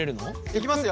いきますよ。